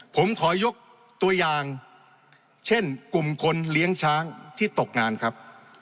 ผมขอยกตัวอย่างเช่นกลุ่มคนเลี้ยงช้างที่ตกงานครับ